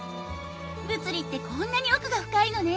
物理ってこんなに奥が深いのね。